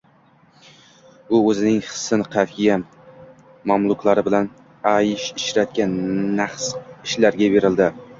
U o‘zining Hisun-Qayfa mamluklari bilan aysh-ishratga, nahs ishlarga berildi